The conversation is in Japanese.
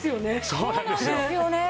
そうなんですよね。